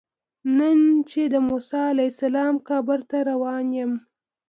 نن چې د موسی علیه السلام قبر ته روان یم.